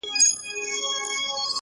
ته پوهیږې د ابا سیوری دي څه سو؟؛!